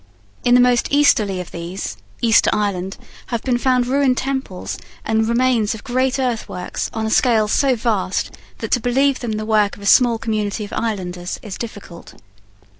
In the most easterly of these, Easter Island, have been found ruined temples and remains of great earthworks on a scale so vast that to believe them the work of a small community of islanders is difficult.